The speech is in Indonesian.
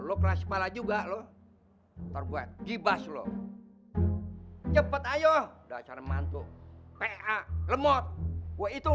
lo keras malah juga loh taruh gue di baslo cepet ayo udah acara mantuk pa lemot gue itu